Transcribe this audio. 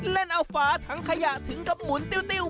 เล่นเอาฝาถังขยะถึงกับหมุนติ้ว